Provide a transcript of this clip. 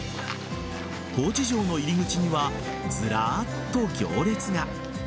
高知城の入り口にはズラーっと行列が。